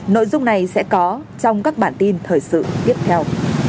nội dung này sẽ có trong các bản tin thời sự tiếp theo